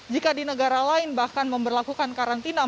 jika di negara lain bahkan memperlakukan karantina empat belas hari